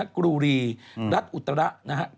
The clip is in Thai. กรีรัฐอุตระนะครับ